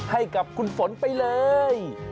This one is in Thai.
ให้กับคุณฝนไปเลย